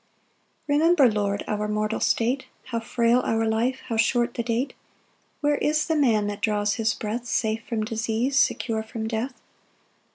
1 Remember, Lord, our mortal state, How frail our life, how short the date! Where is the man that draws his breath Safe from disease, secure from death?